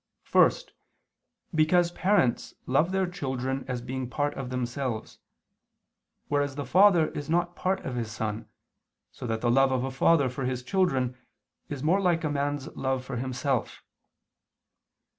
First, because parents love their children as being part of themselves, whereas the father is not part of his son, so that the love of a father for his children, is more like a man's love for himself.